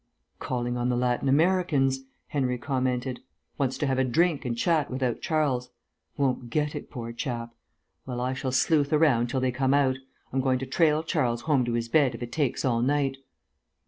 "Calling on the Latin Americans," Henry commented. "Wants to have a drink and a chat without Charles. Won't get it, poor chap. Well, I shall sleuth around till they come out. I'm going to trail Charles home to his bed, if it takes all night."